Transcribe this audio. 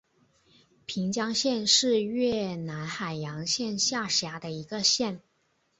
平江县是越南海阳省下辖的一个县。